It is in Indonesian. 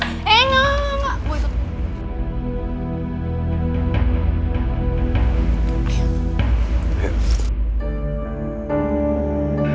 eh enggak enggak enggak